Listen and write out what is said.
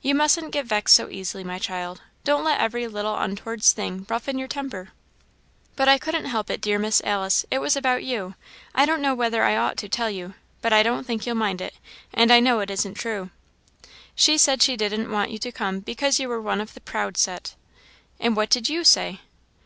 "You mustn't get vexed so easily, my child. Don't let every little untowards thing roughen your temper." "But I couldn't help it, dear Miss Alice; it was about you. I don't know whether I ought to tell you; but I don't think you'll mind it, and I know it isn't true. She said she didn't want you to come because you were one of the proud set." "And what did you say?"